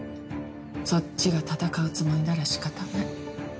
そっちが戦うつもりなら仕方ない。